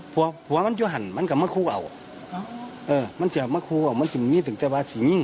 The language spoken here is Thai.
เออมันจะมะครูเอามันจึงนี้จึงจะวาดสิงหิ้ง